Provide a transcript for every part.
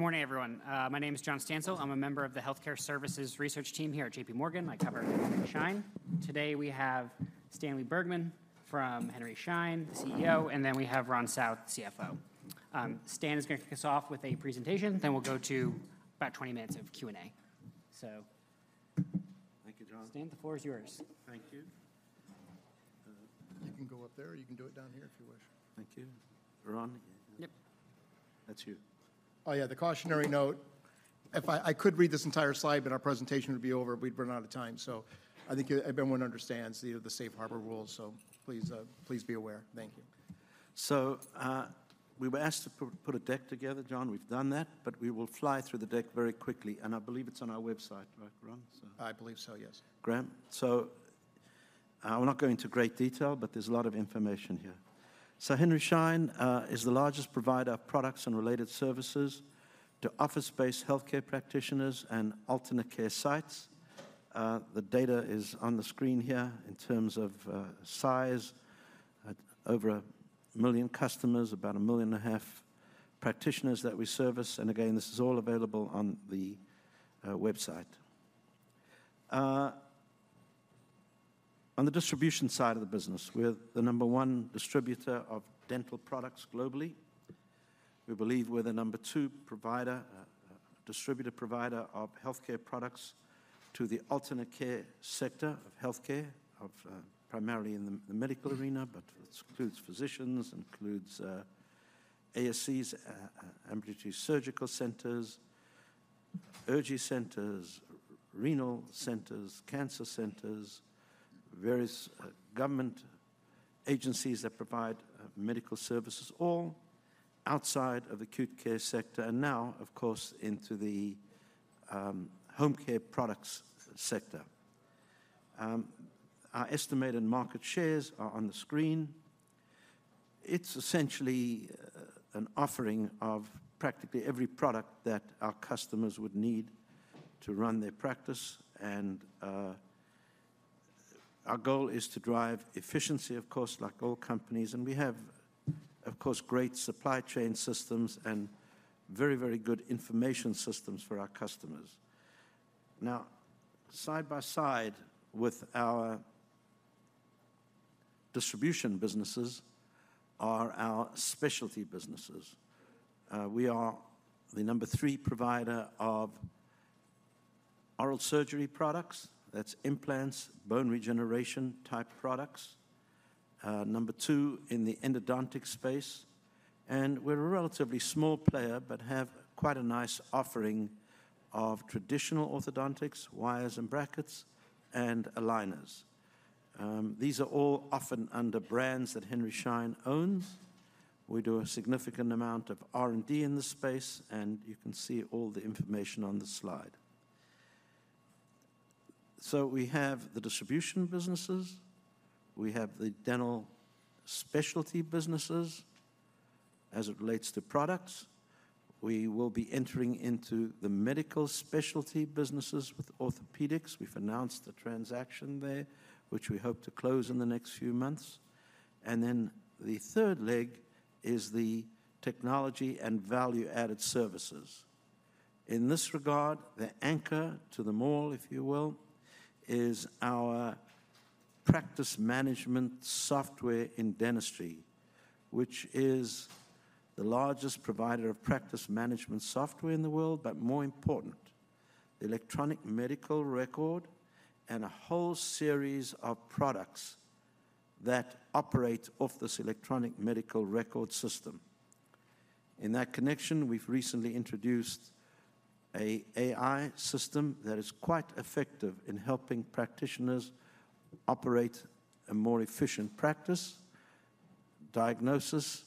Good morning, everyone. My name is John Stansel. I'm a member of the Healthcare Services research team here at J.P. Morgan. I cover Henry Schein. Today, we have Stanley Bergman from Henry Schein, the CEO, and then we have Ron South, CFO. Stan is gonna kick us off with a presentation, then we'll go to about 20 minutes of Q&A. So- Thank you, John. Stan, the floor is yours. Thank you. You can go up there, or you can do it down here if you wish. Thank you. Ron? Yep. That's you. Oh, yeah, the cautionary note: if I could read this entire slide, but our presentation would be over. We'd run out of time. So I think everyone understands the safe harbor rules, so please be aware. Thank you. So, we were asked to put a deck together, John. We've done that, but we will fly through the deck very quickly, and I believe it's on our website, right, Ron? So- I believe so, yes. Great. So, we're not going into great detail, but there's a lot of information here. So Henry Schein is the largest provider of products and related services to office-based healthcare practitioners and alternate care sites. The data is on the screen here in terms of size. Over 1 million customers, about 1.5 million practitioners that we service, and again, this is all available on the website. On the distribution side of the business, we're the number one distributor of dental products globally. We believe we're the number 2 provider, distributor provider of healthcare products to the alternate care sector of healthcare, of, primarily in the medical arena, but this includes physicians, ASCs, ambulatory surgical centers, urgent care centers, renal centers, cancer centers, various government agencies that provide medical services, all outside of acute care sector, and now, of course, into the home care products sector. Our estimated market shares are on the screen. It's essentially an offering of practically every product that our customers would need to run their practice, and, our goal is to drive efficiency, of course, like all companies, and we have, of course, great supply chain systems and very, very good information systems for our customers. Now, side by side with our distribution businesses are our specialty businesses. We are the number 3 provider of oral surgery products, that's implants, bone regeneration-type products. Number 2 in the endodontic space, and we're a relatively small player, but have quite a nice offering of traditional orthodontics, wires and brackets, and aligners. These are all often under brands that Henry Schein owns. We do a significant amount of R&D in this space, and you can see all the information on the slide. So we have the distribution businesses, we have the dental specialty businesses as it relates to products. We will be entering into the medical specialty businesses with orthopedics. We've announced a transaction there, which we hope to close in the next few months. And then the third leg is the technology and value-added services. In this regard, the anchor to the mall, if you will, is our practice management software in dentistry, which is the largest provider of practice management software in the world, but more important, the electronic medical record and a whole series of products that operate off this electronic medical record system. In that connection, we've recently introduced an AI system that is quite effective in helping practitioners operate a more efficient practice, diagnosis,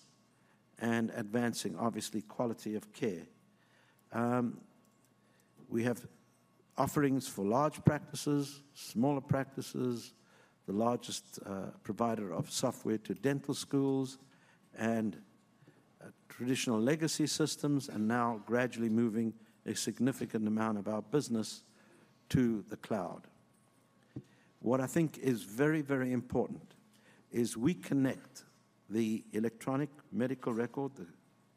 and advancing, obviously, quality of care. We have offerings for large practices, smaller practices, the largest provider of software to dental schools and traditional legacy systems, and now gradually moving a significant amount of our business to the cloud. What I think is very, very important is we connect the electronic medical record, the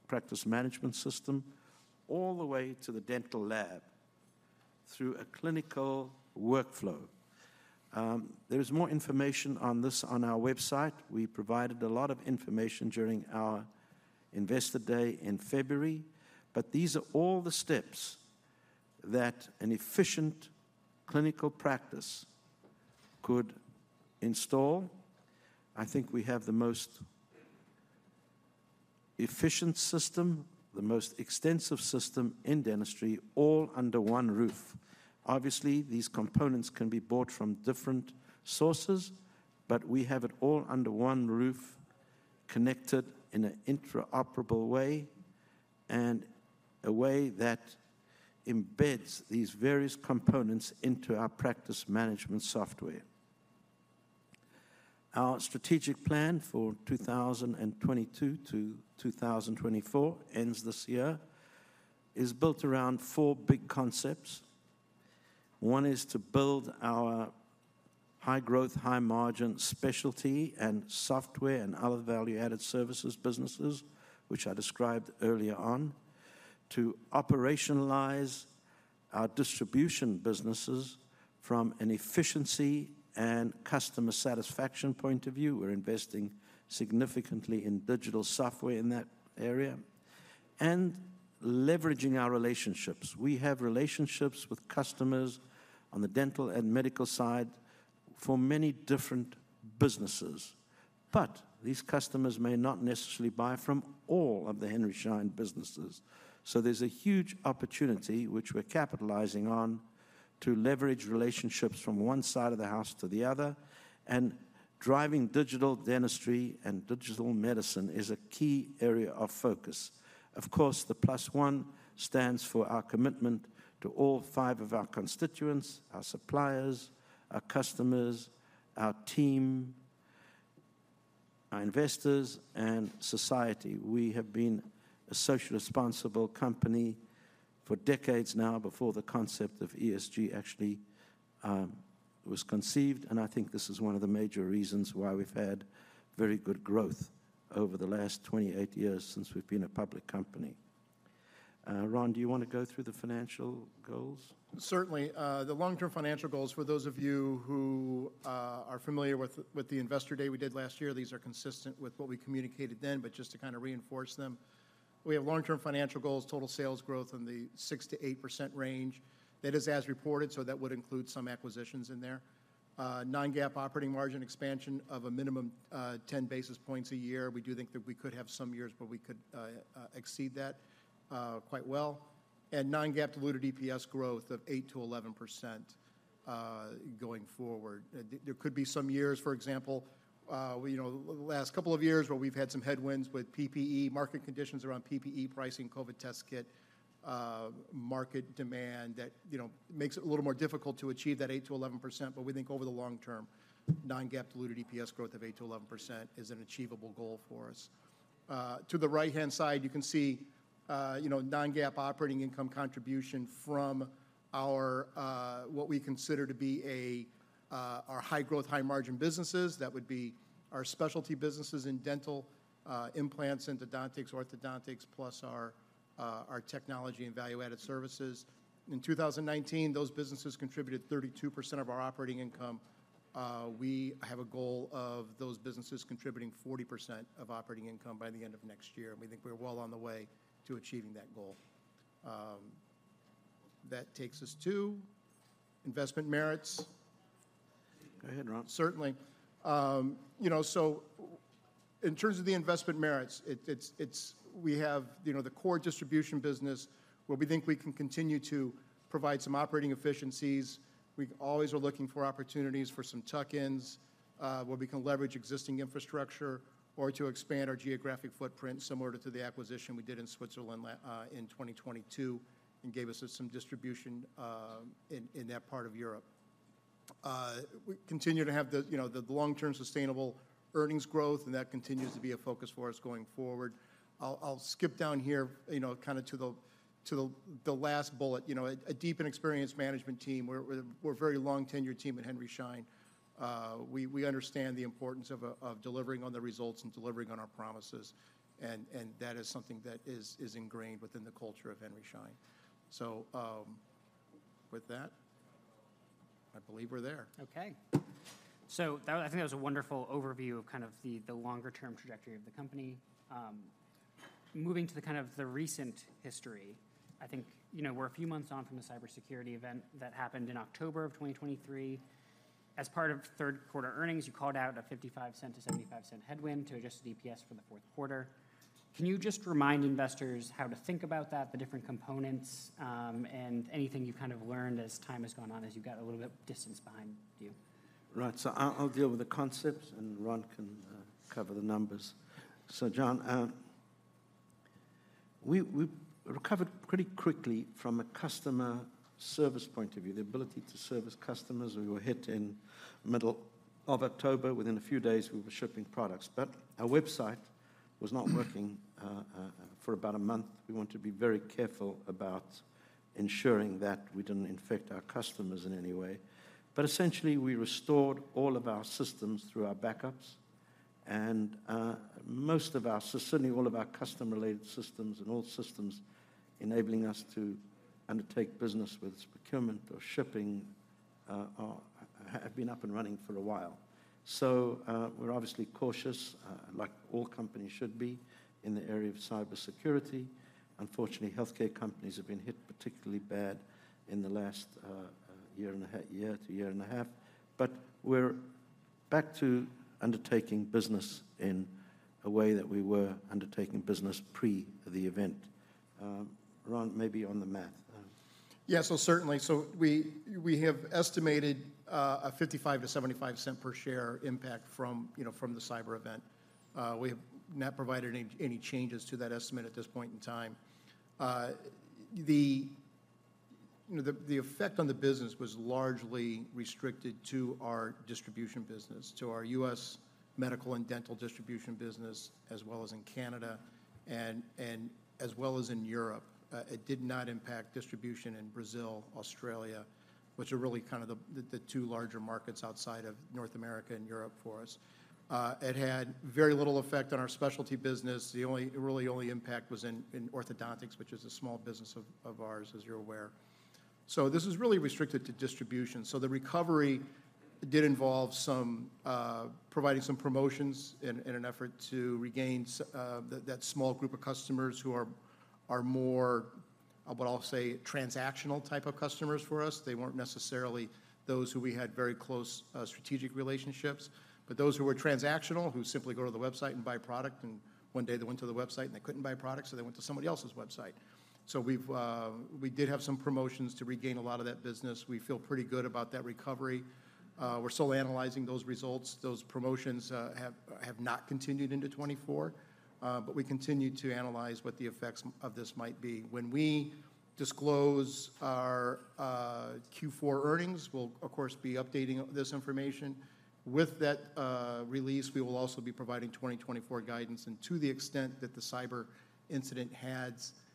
practice management system, all the way to the dental lab through a clinical workflow. There is more information on this on our website. We provided a lot of information during our investor day in February, but these are all the steps that an efficient clinical practice could install. I think we have the most efficient system, the most extensive system in dentistry, all under one roof. Obviously, these components can be bought from different sources, but we have it all under one roof, connected in an interoperable way and a way that embeds these various components into our practice management software. Our strategic plan for 2022 to 2024 ends this year, is built around four big concepts. One is to build our high-growth, high-margin specialty and software and other value-added services businesses, which I described earlier on. To operationalize our distribution businesses from an efficiency and customer satisfaction point of view. We're investing significantly in digital software in that area and leveraging our relationships. We have relationships with customers on the dental and medical side for many different businesses, but these customers may not necessarily buy from all of the Henry Schein businesses. So there's a huge opportunity, which we're capitalizing on, to leverage relationships from one side of the house to the other, and driving digital dentistry and digital medicine is a key area of focus. Of course, the plus one stands for our commitment to all five of our constituents: our suppliers, our customers, our team, our investors, and society. We have been a socially responsible company for decades now, before the concept of ESG actually was conceived, and I think this is one of the major reasons why we've had very good growth over the last 28 years since we've been a public company. Ron, do you wanna go through the financial goals? Certainly. The long-term financial goals, for those of you who are familiar with the Investor Day we did last year, these are consistent with what we communicated then, but just to kinda reinforce them. We have long-term financial goals, total sales growth in the 6%-8% range. That is as reported, so that would include some acquisitions in there. Non-GAAP operating margin expansion of a minimum 10 basis points a year. We do think that we could have some years where we could exceed that quite well. And non-GAAP diluted EPS growth of 8%-11%, going forward. There could be some years, for example, you know, the last couple of years where we've had some headwinds with PPE, market conditions around PPE pricing, COVID test kit, market demand, that, you know, makes it a little more difficult to achieve that 8%-11%. But we think over the long term, non-GAAP diluted EPS growth of 8%-11% is an achievable goal for us. To the right-hand side, you can see, you know, non-GAAP operating income contribution from our, what we consider to be a, our high-growth, high-margin businesses. That would be our specialty businesses in dental, implants, endodontics, orthodontics, plus our, our technology and value-added services. In 2019, those businesses contributed 32% of our operating income. We have a goal of those businesses contributing 40% of operating income by the end of next year, and we think we're well on the way to achieving that goal. That takes us to investment merits. Go ahead, Ron. Certainly. You know, so in terms of the investment merits, it is. We have, you know, the core distribution business, where we think we can continue to provide some operating efficiencies. We always are looking for opportunities for some tuck-ins, where we can leverage existing infrastructure or to expand our geographic footprint, similar to the acquisition we did in Switzerland in 2022, and gave us some distribution in that part of Europe. We continue to have, you know, the long-term sustainable earnings growth, and that continues to be a focus for us going forward. I'll skip down here, you know, to the last bullet. You know, a deep and experienced management team. We're a very long-tenured team at Henry Schein. We understand the importance of delivering on the results and delivering on our promises, and that is something that is ingrained within the culture of Henry Schein. So, with that, I believe we're there. Okay. So that, I think that was a wonderful overview of kind of the longer-term trajectory of the company. Moving to the recent history, I think, you know, we're a few months on from the cybersecurity event that happened in October 2023. As part of third quarter earnings, you called out a $0.55-$0.75 headwind to adjusted EPS for the fourth quarter. Can you just remind investors how to think about that, the different components, and anything you've kind of learned as time has gone on, as you've got a little bit of distance behind you? Right. So I, I'll deal with the concepts, and Ron can cover the numbers. So, John, we, we recovered pretty quickly from a customer service point of view, the ability to service customers. We were hit in middle of October. Within a few days, we were shipping products, but our website was not working for about a month. We wanted to be very careful about ensuring that we didn't infect our customers in any way. But essentially, we restored all of our systems through our backups, and most of our systems, certainly all of our customer-related systems and all systems enabling us to undertake business, whether it's procurement or shipping, have been up and running for a while. So, we're obviously cautious, like all companies should be, in the area of cybersecurity. Unfortunately, healthcare companies have been hit particularly bad in the last year and a half. But we're back to undertaking business in a way that we were undertaking business pre the event. Ron, maybe on the math? Yeah, so certainly. So we have estimated a $0.55-$0.75 per share impact from, you know, from the cyber event. We have not provided any changes to that estimate at this point in time. You know, the effect on the business was largely restricted to our distribution business, to our U.S. medical and dental distribution business, as well as in Canada, and as well as in Europe. It did not impact distribution in Brazil, Australia, which are really kind of the two larger markets outside of North America and Europe for us. It had very little effect on our specialty business. The only really only impact was in orthodontics, which is a small business of ours, as you're aware. So this is really restricted to distribution. So the recovery did involve some providing some promotions in an effort to regain that small group of customers who are more what I'll say, transactional type of customers for us. They weren't necessarily those who we had very close strategic relationships, but those who were transactional, who simply go to the website and buy product, and one day they went to the website, and they couldn't buy product, so they went to somebody else's website. So we did have some promotions to regain a lot of that business. We feel pretty good about that recovery. We're still analyzing those results. Those promotions have not continued into 2024, but we continue to analyze what the effects of this might be. When we disclose our Q4 earnings, we'll of course be updating this information. With that release, we will also be providing 2024 guidance, and to the extent that the cyber incident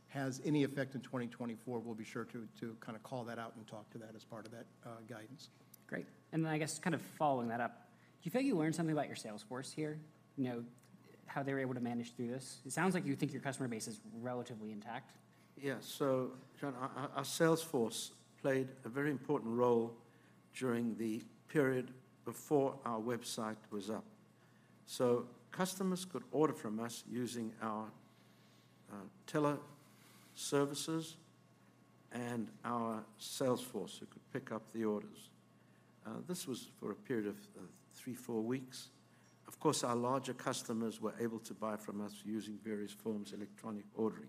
has any effect in 2024, we'll be sure to kind of call that out and talk to that as part of that guidance. Great. Then I guess kind of following that up, do you feel you learned something about your sales force here? You know, how they were able to manage through this? It sounds like you think your customer base is relatively intact. Yeah. So, John, our sales force played a very important role during the period before our website was up. So customers could order from us using our tele-services and our sales force, who could pick up the orders. This was for a period of 3-4 weeks. Of course, our larger customers were able to buy from us using various forms, electronic ordering.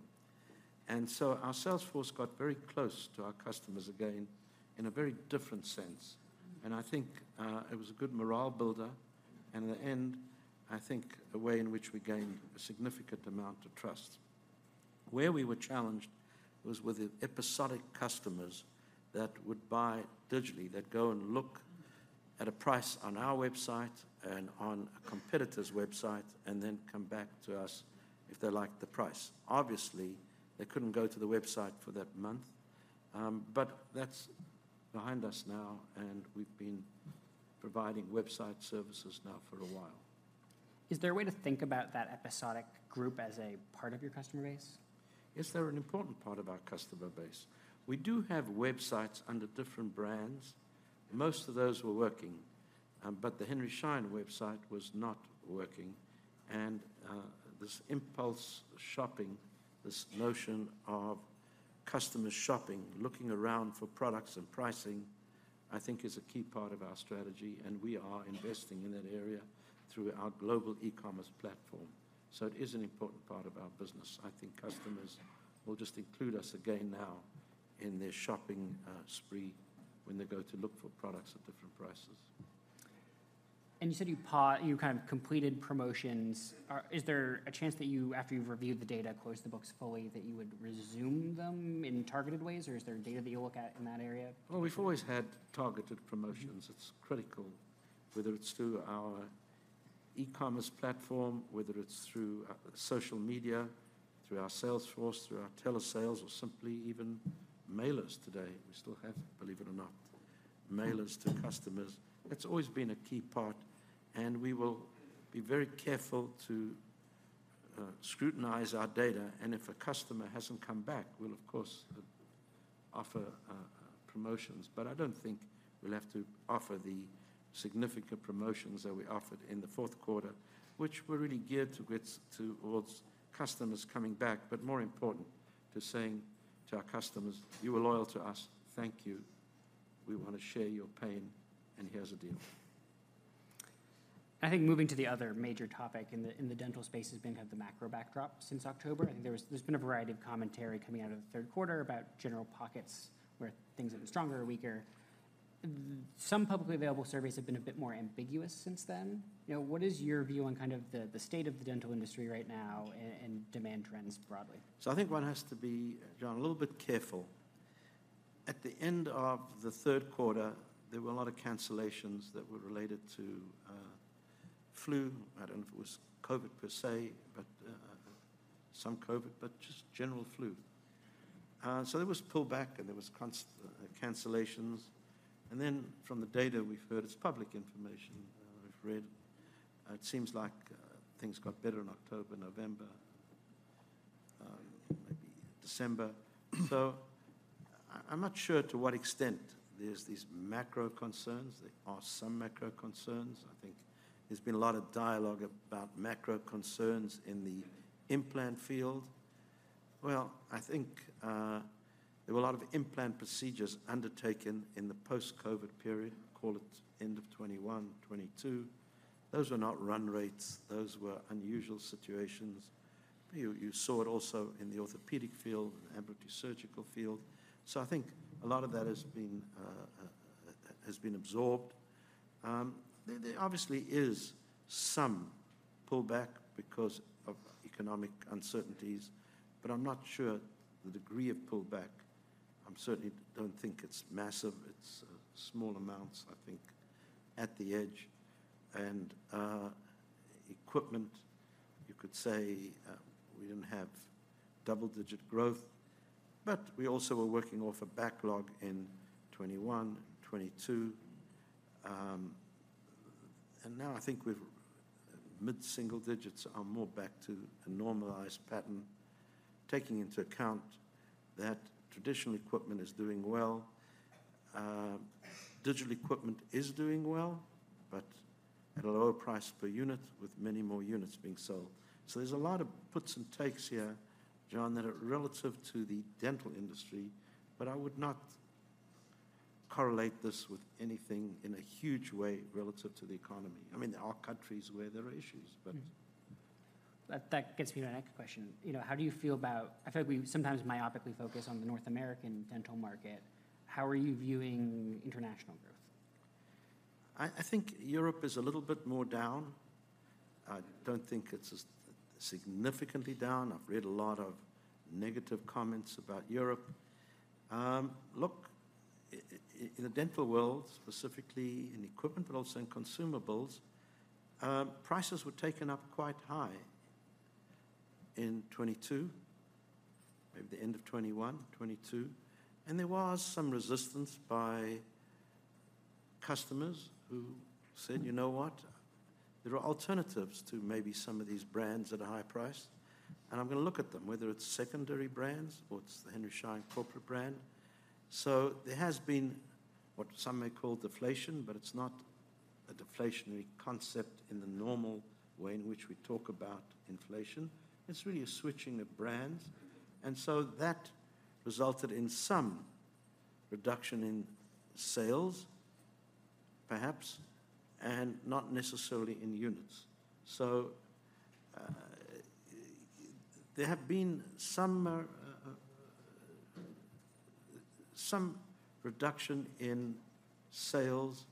And so our sales force got very close to our customers again in a very different sense, and I think it was a good morale builder, and in the end, I think a way in which we gained a significant amount of trust. Where we were challenged was with the episodic customers that would buy digitally, that go and look at a price on our website and on a competitor's website and then come back to us if they liked the price. Obviously, they couldn't go to the website for that month, but that's behind us now, and we've been providing website services now for a while. Is there a way to think about that episodic group as a part of your customer base? Yes, they're an important part of our customer base. We do have websites under different brands. Most of those were working, but the Henry Schein website was not working, and this impulse shopping, this notion of customers shopping, looking around for products and pricing, I think is a key part of our strategy, and we are investing in that area through our global e-commerce platform. So it is an important part of our business. I think customers will just include us again now in their shopping spree when they go to look for products at different prices. You said you kind of completed promotions. Is there a chance that you, after you've reviewed the data, closed the books fully, that you would resume them in targeted ways, or is there data that you look at in that area? Well, we've always had targeted promotions. It's critical, whether it's through our e-commerce platform, whether it's through social media, through our sales force, through our telesales, or simply even mailers today. We still have, believe it or not, mailers to customers. That's always been a key part, and we will be very careful to scrutinize our data, and if a customer hasn't come back, we'll of course offer promotions. But I don't think we'll have to offer the significant promotions that we offered in the fourth quarter, which were really geared to get towards customers coming back, but more important, to saying to our customers: "You were loyal to us. Thank you. We want to share your pain, and here's a deal. I think moving to the other major topic in the dental space has been kind of the macro backdrop since October. I think there was, there's been a variety of commentary coming out of the third quarter about general pockets, where things have been stronger or weaker. Some publicly available surveys have been a bit more ambiguous since then. You know, what is your view on kind of the state of the dental industry right now and demand trends broadly? So I think one has to be, John, a little bit careful. At the end of the third quarter, there were a lot of cancellations that were related to flu. I don't know if it was COVID per se, but some COVID, but just general flu. So there was pullback, and there was cancellations, and then from the data we've heard, it's public information, we've read, it seems like things got better in October, November, maybe December. So I'm not sure to what extent there's these macro concerns. There are some macro concerns. I think there's been a lot of dialogue about macro concerns in the implant field. Well, I think there were a lot of implant procedures undertaken in the post-COVID period, call it end of 2021, 2022. Those were not run rates. Those were unusual situations. You saw it also in the orthopedic field and ambulatory surgical field. So I think a lot of that has been absorbed. There obviously is some pullback because of economic uncertainties, but I'm not sure the degree of pullback. I'm certainly don't think it's massive. It's small amounts, I think, at the edge. Equipment, you could say, we didn't have double-digit growth, but we also were working off a backlog in 2021, 2022. And now I think we've mid-single digits are more back to a normalized pattern, taking into account that traditional equipment is doing well. Digital equipment is doing well, but at a lower price per unit with many more units being sold. There's a lot of puts and takes here, John, that are relative to the dental industry, but I would not correlate this with anything in a huge way relative to the economy. I mean, there are countries where there are issues, but- Mm-hmm. That, that gets me to my next question: You know, how do you feel about-- I feel like we sometimes myopically focus on the North American dental market. How are you viewing international growth? I think Europe is a little bit more down. I don't think it's as significantly down. I've read a lot of negative comments about Europe. Look, in the dental world, specifically in equipment but also in consumables, prices were taken up quite high in 2022, maybe the end of 2021, 2022, and there was some resistance by customers who said, "You know what? There are alternatives to maybe some of these brands at a higher price, and I'm gonna look at them, whether it's secondary brands or it's the Henry Schein corporate brand." So there has been what some may call deflation, but it's not a deflationary concept in the normal way in which we talk about inflation. It's really a switching of brands, and so that resulted in some reduction in sales, perhaps, and not necessarily in units. So, there have been some reduction in sales,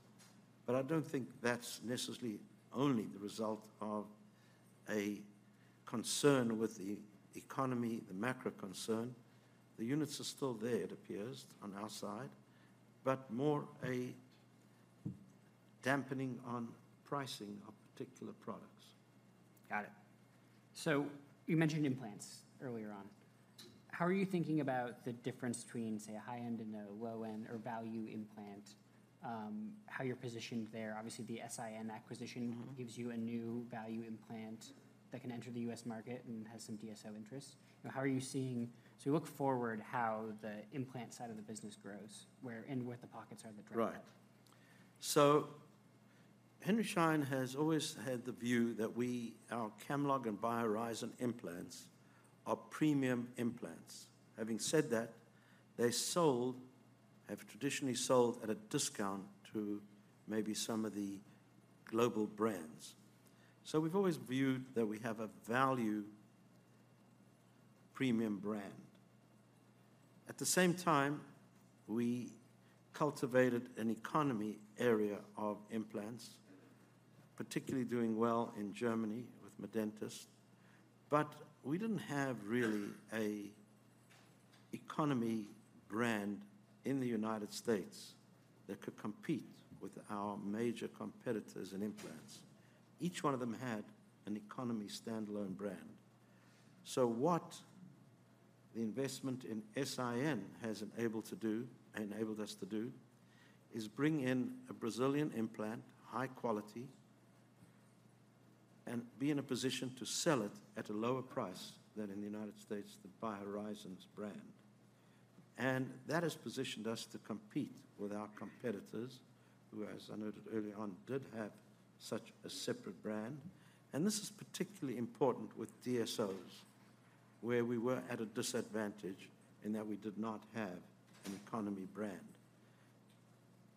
but I don't think that's necessarily only the result of a concern with the economy, the macro concern. The units are still there, it appears, on our side, but more a dampening on pricing of particular products. Got it. So you mentioned implants earlier on. How are you thinking about the difference between, say, a high-end and a low-end or value implant, how you're positioned there? Obviously, the S.I.N. acquisition- Mm-hmm. - gives you a new value implant that can enter the U.S. market and has some DSO interests. Now, how are you seeing... So you look forward how the implant side of the business grows, where and where the pockets are that drive that? Right. So Henry Schein has always had the view that we, our Camlog and BioHorizons implants are premium implants. Having said that, they sold, have traditionally sold at a discount to maybe some of the global brands. So we've always viewed that we have a value premium brand. At the same time, we cultivated an economy area of implants, particularly doing well in Germany with Medentis, but we didn't have really a economy brand in the United States that could compete with our major competitors in implants. Each one of them had an economy standalone brand. So what the investment in SIN has enabled to do, enabled us to do, is bring in a Brazilian implant, high quality, and be in a position to sell it at a lower price than in the United States, the BioHorizons brand. And that has positioned us to compete with our competitors, who, as I noted early on, did have such a separate brand, and this is particularly important with DSOs, where we were at a disadvantage in that we did not have an economy brand.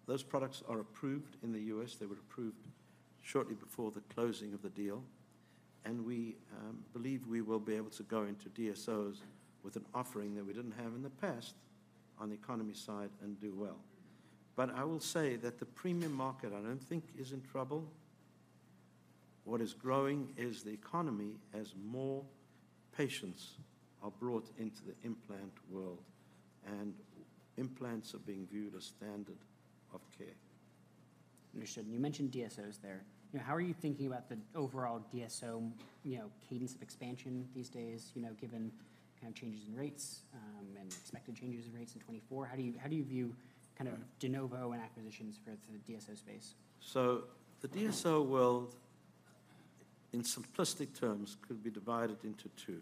Those products are approved in the U.S. They were approved shortly before the closing of the deal, and we believe we will be able to go into DSOs with an offering that we didn't have in the past on the economy side and do well. But I will say that the premium market, I don't think, is in trouble. What is growing is the economy as more patients are brought into the implant world, and implants are being viewed as standard of care. Understood. You mentioned DSOs there. You know, how are you thinking about the overall DSO, you know, cadence of expansion these days, you know, given kind of changes in rates, and expected changes in rates in 2024? How do you, how do you view kind of- Yeah... de novo and acquisitions for the DSO space? So the DSO world, in simplistic terms, could be divided into two.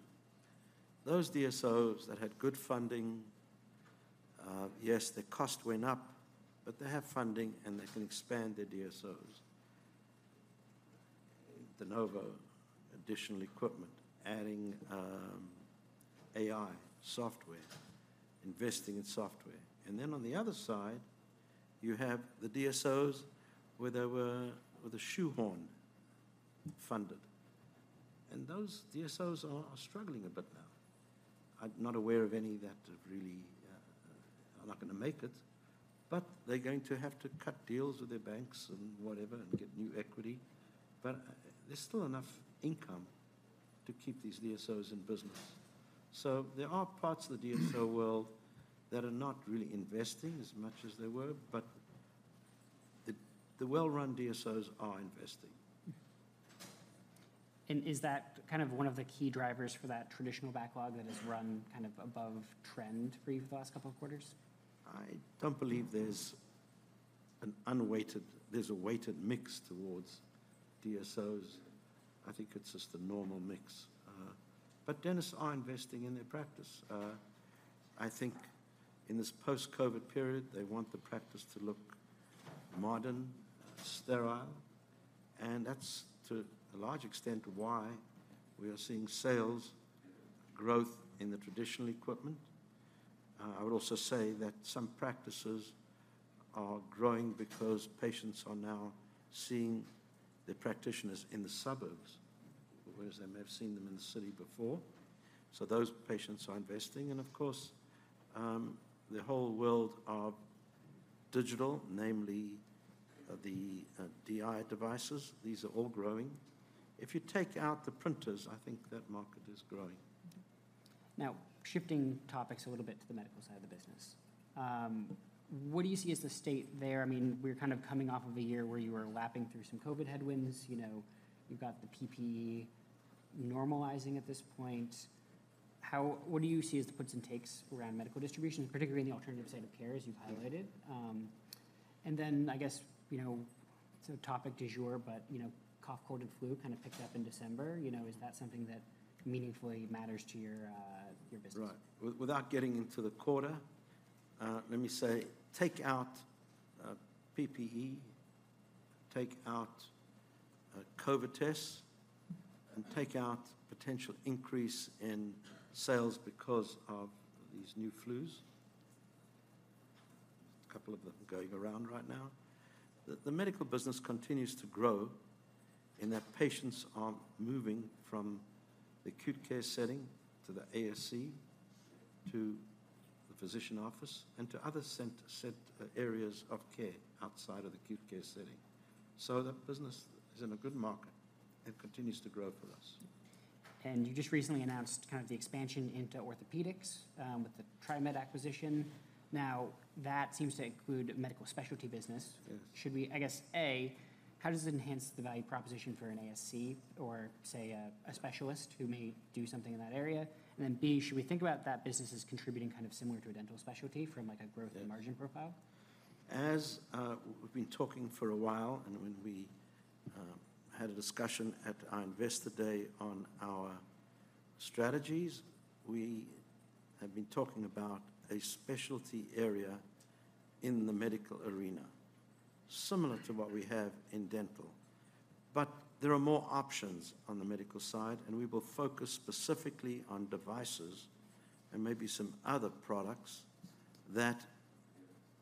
Those DSOs that had good funding, yes, their cost went up, but they have funding, and they can expand their DSOs. De novo, additional equipment, adding, AI software, investing in software. And then on the other side, you have the DSOs where they were with a shoehorn funded, and those DSOs are struggling a bit now. I'm not aware of any that have really, are not gonna make it, but they're going to have to cut deals with their banks and whatever, and get new equity. But there's still enough income to keep these DSOs in business. So there are parts of the DSO world that are not really investing as much as they were, but the well-run DSOs are investing. Is that kind of one of the key drivers for that traditional backlog that has run kind of above trend for you for the last couple of quarters? I don't believe there's a weighted mix towards DSOs. I think it's just the normal mix. But dentists are investing in their practice. I think in this post-COVID period, they want the practice to look modern, sterile, and that's to a large extent why we are seeing sales growth in the traditional equipment. I would also say that some practices are growing because patients are now seeing the practitioners in the suburbs, whereas they may have seen them in the city before. So those patients are investing, and of course, the whole world of digital, namely the, DI devices, these are all growing. If you take out the printers, I think that market is growing. Now, shifting topics a little bit to the medical side of the business. What do you see as the state there? I mean, we're kind of coming off of a year where you were lapping through some COVID headwinds. You know, you've got the PPE normalizing at this point. What do you see as the puts and takes around medical distribution, particularly in the alternative site of care, as you've highlighted? And then I guess, you know, it's a topic du jour, but, you know, cough, cold, and flu kind of picked up in December. You know, is that something that meaningfully matters to your, your business? Right. Without getting into the quarter, let me say, take out PPE, take out COVID tests, and take out potential increase in sales because of these new flus. A couple of them going around right now. The Medical business continues to grow in that patients are moving from the acute care setting to the ASC, to the physician office, and to other set areas of care outside of the acute care setting. So that business is in a good market and continues to grow for us. You just recently announced kind of the expansion into orthopedics with the TriMed acquisition. Now, that seems to include medical specialty business. Yes. Should we, I guess, A, how does it enhance the value proposition for an ASC or, say, a specialist who may do something in that area? And then, B, should we think about that business as contributing kind of similar to a dental specialty from, like, a growth- Yes... and margin profile? As we've been talking for a while, and when we had a discussion at our Investor Day on our strategies, we have been talking about a specialty area in the medical arena, similar to what we have in dental. But there are more options on the medical side, and we will focus specifically on devices and maybe some other products that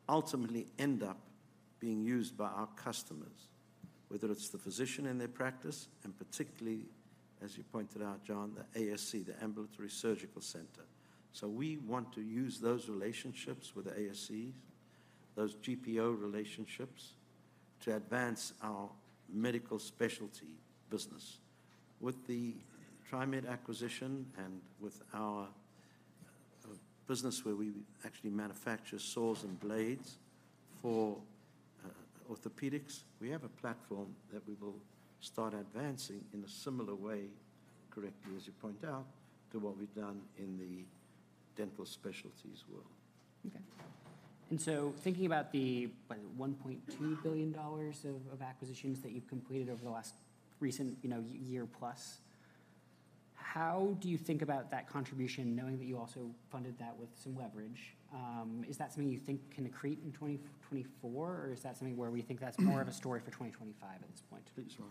ultimately end up being used by our customers, whether it's the physician in their practice, and particularly, as you pointed out, John, the ASC, the ambulatory surgical center. So we want to use those relationships with the ASCs, those GPO relationships, to advance our medical specialty business. With the TriMed acquisition and with our business, where we actually manufacture saws and blades for orthopedics, we have a platform that we will start advancing in a similar way, correctly, as you point out, to what we've done in the dental specialties world. Okay. And so thinking about the, what, $1.2 billion of acquisitions that you've completed over the last recent, you know, year plus, how do you think about that contribution, knowing that you also funded that with some leverage? Is that something you think can accrete in 2024, or is that something where we think that's more of a story for 2025 at this point? Take this Ron.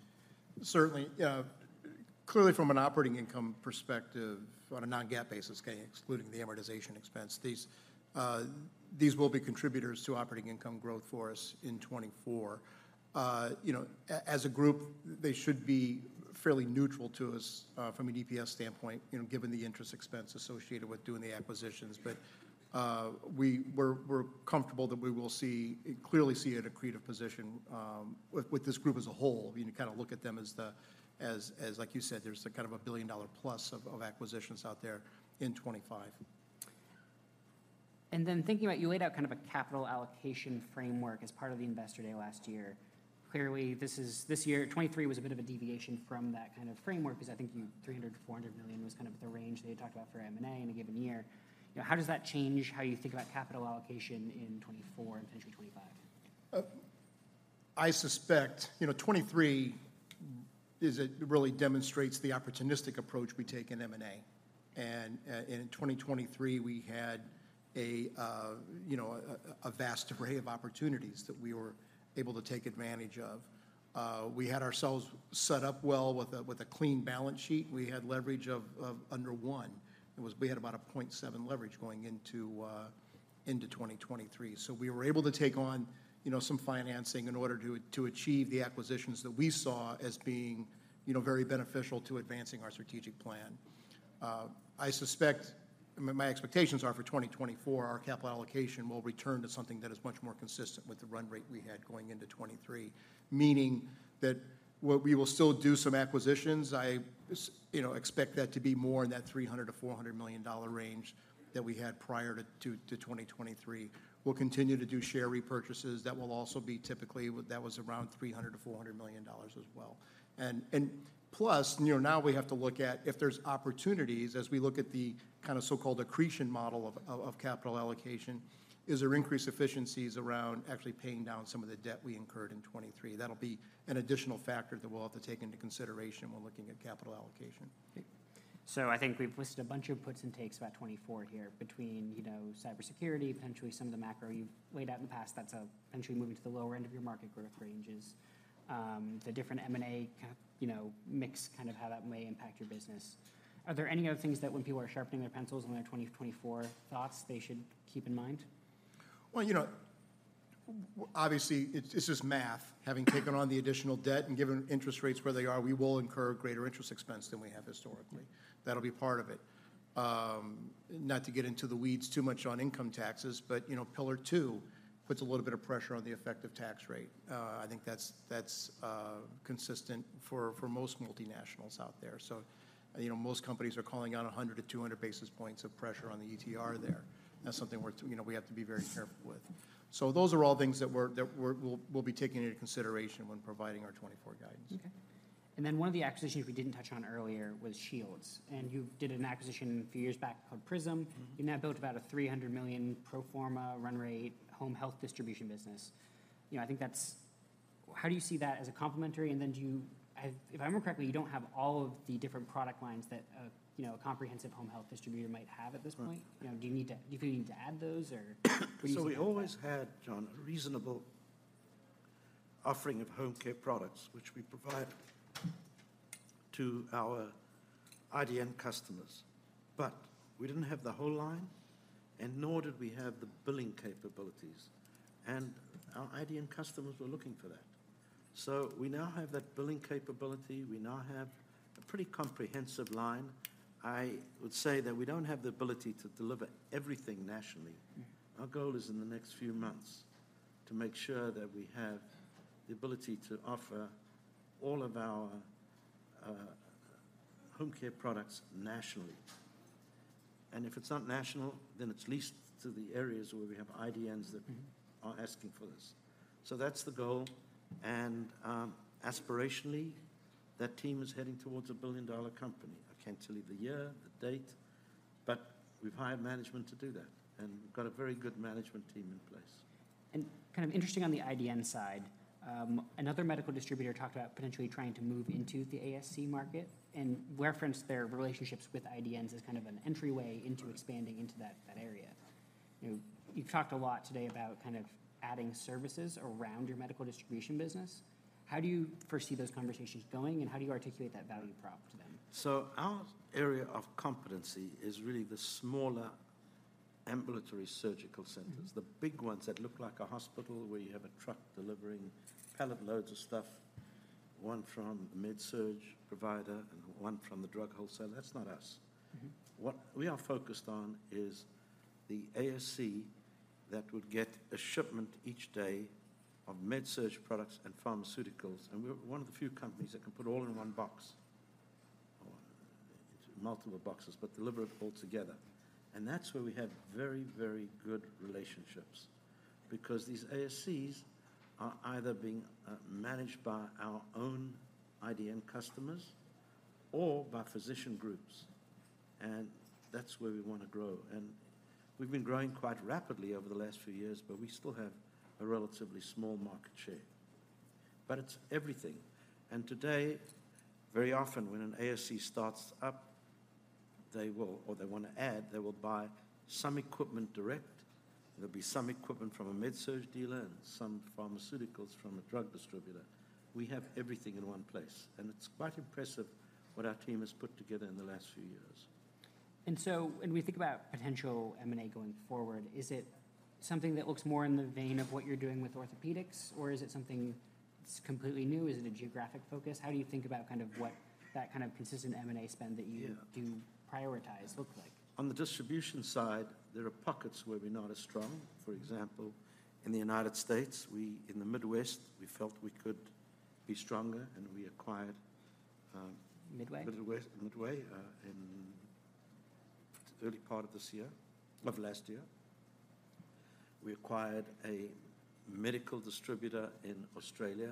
Certainly, clearly from an operating income perspective, on a non-GAAP basis, okay, excluding the amortization expense, these, these will be contributors to operating income growth for us in 2024. You know, as a group, they should be fairly neutral to us, from an EPS standpoint, you know, given the interest expense associated with doing the acquisitions. But, we're comfortable that we will see, clearly see an accretive position, with this group as a whole. You know, kind of look at them as the, as, as like you said, there's a kind of a $1 billion plus of acquisitions out there in 2025. Then thinking about, you laid out kind of a capital allocation framework as part of the Investor Day last year. Clearly, this is—this year, 2023, was a bit of a deviation from that kind of framework, because I think you—$300 million-$400 million was kind of the range that you talked about for M&A in a given year. You know, how does that change how you think about capital allocation in 2024 and potentially 2025? I suspect, you know, 2023 really demonstrates the opportunistic approach we take in M&A. And, and in 2023, we had a, you know, a vast array of opportunities that we were able to take advantage of. We had ourselves set up well with a clean balance sheet. We had leverage of under 1. We had about 0.7 leverage going into 2023. So we were able to take on, you know, some financing in order to achieve the acquisitions that we saw as being, you know, very beneficial to advancing our strategic plan. I suspect- ... I mean, my expectations are for 2024, our capital allocation will return to something that is much more consistent with the run rate we had going into 2023. Meaning that what we will still do some acquisitions, you know, expect that to be more in that $300 million-$400 million range that we had prior to 2023. We'll continue to do share repurchases. That will also be typically, well, that was around $300-$400 million as well. And plus, you know, now we have to look at if there's opportunities, as we look at the kind of so-called accretion model of capital allocation, is there increased efficiencies around actually paying down some of the debt we incurred in 2023? That'll be an additional factor that we'll have to take into consideration when looking at capital allocation. Okay. So I think we've listed a bunch of puts and takes about 2024 here between, you know, cybersecurity, potentially some of the macro you've laid out in the past, that's a, potentially moving to the lower end of your market growth ranges. The different M&A kind of, you know, mix, kind of how that may impact your business. Are there any other things that when people are sharpening their pencils on their 2024 thoughts, they should keep in mind? Well, you know, obviously, it's just math. Having taken on the additional debt, and given interest rates where they are, we will incur greater interest expense than we have historically. Mm-hmm. That'll be part of it. Not to get into the weeds too much on income taxes, but, you know, Pillar Two puts a little bit of pressure on the effective tax rate. I think that's consistent for most multinationals out there. So, you know, most companies are calling out 100-200 basis points of pressure on the ETR there. That's something we're, you know, we have to be very careful with. So those are all things that we'll be taking into consideration when providing our 2024 guidance. Okay. And then one of the acquisitions we didn't touch on earlier was Shields, and you did an acquisition a few years back called Prism. Mm-hmm. You now built about a $300 million pro forma run rate home health distribution business. You know, I think that's... How do you see that as a complementary, and then do you-- I, if I remember correctly, you don't have all of the different product lines that a, you know, a comprehensive home health distributor might have at this point. Right. You know, do you need to add those or- We always had, John, a reasonable offering of home care products, which we provide to our IDN customers. But we didn't have the whole line, and nor did we have the billing capabilities, and our IDN customers were looking for that. So we now have that billing capability. We now have a pretty comprehensive line. I would say that we don't have the ability to deliver everything nationally. Mm-hmm. Our goal is in the next few months to make sure that we have the ability to offer all of our, home care products nationally. And if it's not national, then it's leased to the areas where we have IDNs that- Mm-hmm... are asking for this. So that's the goal, and, aspirationally, that team is heading towards a billion-dollar company. I can't tell you the year, the date, but we've hired management to do that, and we've got a very good management team in place. Kind of interesting on the IDN side, another medical distributor talked about potentially trying to move into the ASC market and referenced their relationships with IDNs as kind of an entryway- Right... into expanding into that, that area. You know, you've talked a lot today about kind of adding services around your medical distribution business. How do you foresee those conversations going, and how do you articulate that value prop to them? Our area of competency is really the smaller ambulatory surgical centers. Mm-hmm. The big ones that look like a hospital, where you have a truck delivering pallet loads of stuff, one from the med-surg provider and one from the drug wholesaler, that's not us. Mm-hmm. What we are focused on is the ASC that would get a shipment each day of med-surg products and pharmaceuticals, and we're one of the few companies that can put it all in one box or multiple boxes, but deliver it all together, and that's where we have very, very good relationships. Because these ASCs are either being managed by our own IDN customers or by physician groups, and that's where we want to grow, and we've been growing quite rapidly over the last few years, but we still have a relatively small market share. But it's everything, and today, very often, when an ASC starts up, they will or they want to add, they will buy some equipment direct. There'll be some equipment from a med-surg dealer and some pharmaceuticals from a drug distributor. We have everything in one place, and it's quite impressive what our team has put together in the last few years. And so when we think about potential M&A going forward, is it something that looks more in the vein of what you're doing with orthopedics, or is it something that's completely new? Is it a geographic focus? How do you think about kind of what that kind of consistent M&A spend that you- Yeah... do prioritize look like? On the distribution side, there are pockets where we're not as strong. For example, in the United States, we, in the Midwest, we felt we could be stronger, and we acquired, Midway... Midwest, Midway, in early part of this year, of last year. We acquired a medical distributor in Australia.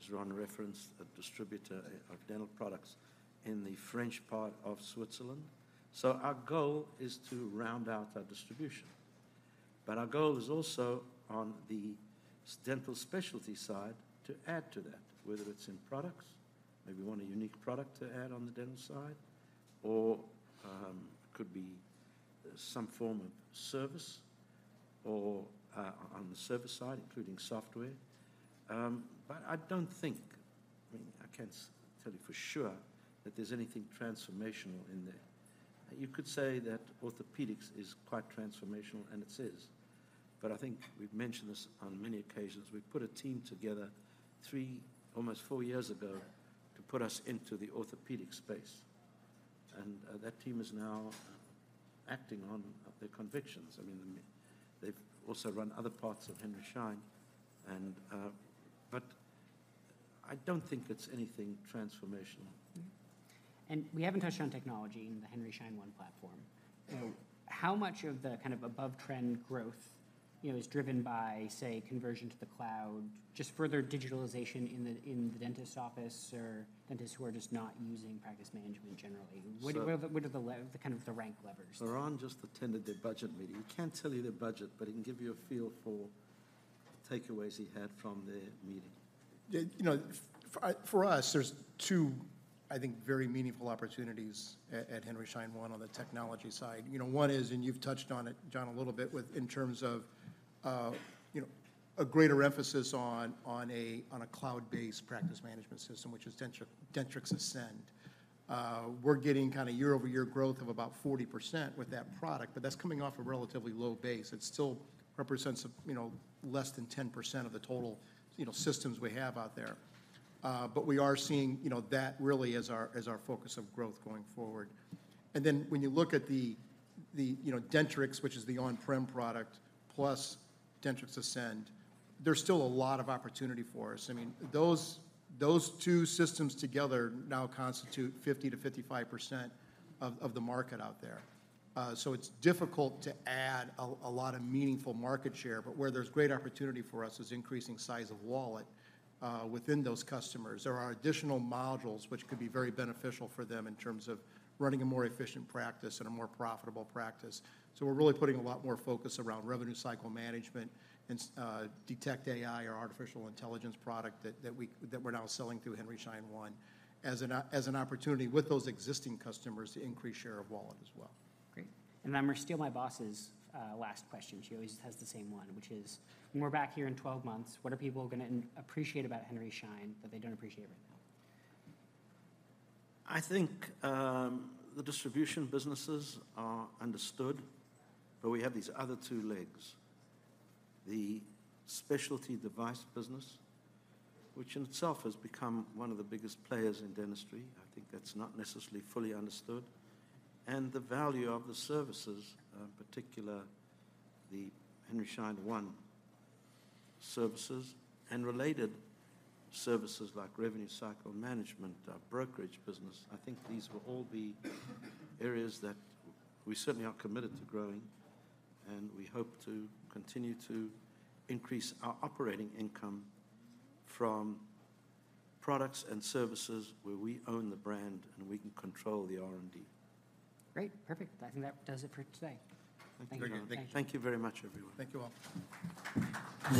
As John referenced, a distributor of dental products in the French part of Switzerland. So our goal is to round out our distribution, but our goal is also on the dental specialty side, to add to that, whether it's in products, maybe we want a unique product to add on the dental side, or, could be some form of service or, on the service side, including software. But I don't think, I mean, I can't tell you for sure, that there's anything transformational in there. You could say that orthopedics is quite transformational, and it is.... but I think we've mentioned this on many occasions. We put a team together 3, almost 4 years ago, to put us into the orthopedic space, and that team is now acting on their convictions. I mean, they've also run other parts of Henry Schein. But I don't think it's anything transformational. We haven't touched on technology in the Henry Schein One platform. Yeah. So how much of the kind of above-trend growth, you know, is driven by, say, conversion to the cloud, just further digitalization in the dentist's office or dentists who are just not using practice management generally? So- What are the kind of the rank levers? So Ron just attended the budget meeting. He can't tell you the budget, but he can give you a feel for takeaways he had from the meeting. Yeah, you know, for us, there's two, I think, very meaningful opportunities at Henry Schein One on the technology side. You know, one is, and you've touched on it, John, a little bit with, in terms of, you know, a greater emphasis on a cloud-based practice management system, which is Dentrix, Dentrix Ascend. We're getting kinda year-over-year growth of about 40% with that product, but that's coming off a relatively low base. It still represents a, you know, less than 10% of the total, you know, systems we have out there. But we are seeing, you know, that really as our focus of growth going forward. And then, when you look at the, you know, Dentrix, which is the on-prem product, plus Dentrix Ascend, there's still a lot of opportunity for us. I mean, those, those two systems together now constitute 50%-55% of, of the market out there. So it's difficult to add a, a lot of meaningful market share, but where there's great opportunity for us is increasing size of wallet within those customers. There are additional modules which could be very beneficial for them in terms of running a more efficient practice and a more profitable practice. So we're really putting a lot more focus around revenue cycle management and Detect AI, our artificial intelligence product, that we're now selling through Henry Schein One, as an opportunity with those existing customers to increase share of wallet as well. Great. And I'm gonna steal my boss's last question. She always has the same one, which is: When we're back here in 12 months, what are people gonna appreciate about Henry Schein that they don't appreciate right now? I think, the distribution businesses are understood, but we have these other two legs. The specialty device business, which in itself has become one of the biggest players in dentistry, I think that's not necessarily fully understood, and the value of the services, in particular, the Henry Schein One services and related services like revenue cycle management, our brokerage business. I think these will all be areas that we certainly are committed to growing, and we hope to continue to increase our operating income from products and services where we own the brand, and we can control the R&D. Great, perfect. I think that does it for today. Thank you. Thank you very much, everyone. Thank you, all.